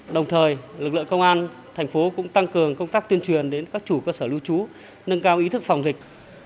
đồng thời lực lượng công an thành phố cũng tăng cường công tác tuyên truyền đến các chủ cơ sở lưu trú nâng cao ý thức phòng dịch